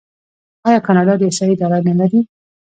آیا کاناډا د احصایې اداره نلري؟